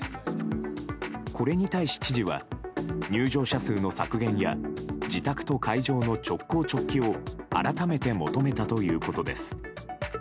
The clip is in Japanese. これに対し、知事は入場者数の削減や自宅と会場の直行直帰を改めて求めたということです。